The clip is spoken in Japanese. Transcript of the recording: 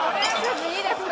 いいですか？